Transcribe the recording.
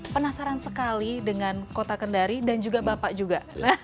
penasaran sekali dengan kota kendari dan juga bapak juga